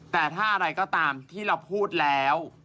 แต่ถ้าอะไรก็ตามที่เราพูดแล้ว